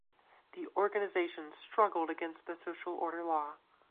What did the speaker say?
The organization struggled against the and the Social Order Law.